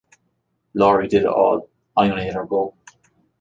Laurie did it all; I only let her go.